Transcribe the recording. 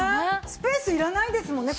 スペースいらないですもんね。